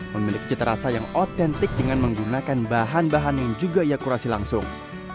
memiliki cita rasa yang otentik dengan menggunakan bahan bahan yang juga ia kurasi langsung